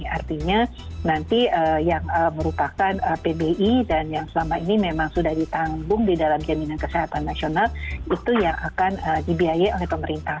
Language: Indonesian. artinya nanti yang merupakan pbi dan yang selama ini memang sudah ditanggung di dalam jaminan kesehatan nasional itu yang akan dibiayai oleh pemerintah